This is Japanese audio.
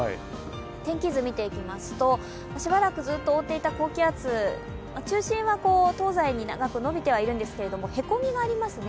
天気図を見ていきますと、しばらくずっと覆っていた高気圧、中心は東西に長く延びてはいるんですがへこみがありますね。